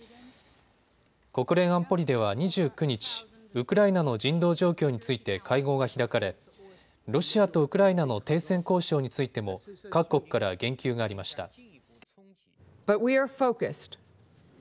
国連安保理では２９日、ウクライナの人道状況について会合が開かれロシアとウクライナの停戦交渉についても各国から言及がありました。